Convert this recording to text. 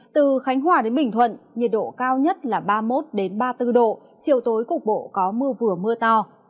từ khánh hòa đến bình thuận nhiệt độ cao nhất là ba mươi một ba mươi bốn độ chiều tối cục bộ có mưa vừa mưa to